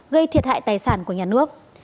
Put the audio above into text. gây thiệt hại tài sản của nhà nước